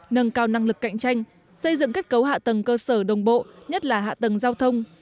nâng cao năng lực cạnh tranh xây dựng kết cấu hạ tầng cơ sở đồng bộ nhất là hạ tầng giao thông